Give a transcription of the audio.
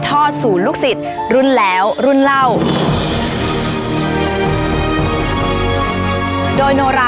คุณผู้ชมอยู่กับดิฉันใบตองราชนุกูลที่จังหวัดสงคลาค่ะ